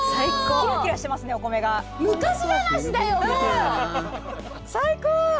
キラキラしてますねお米が最高！